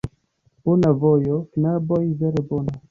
Bona vojo, knaboj, vere bona.